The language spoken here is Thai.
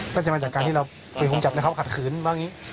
ก็จะมาจากการที่เราไปฮุมจับและเขาขัดขืนบ้างเงี้ย